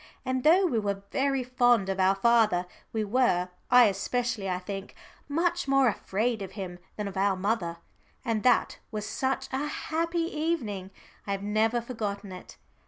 And though we were very fond of our father, we were I especially, I think much more afraid of him than of our mother. And that was such a happy evening! I have never forgotten it.